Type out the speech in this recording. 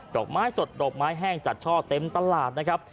อกไม้สดดอกไม้แห้งจัดช่อเต็มตลาดนะครับ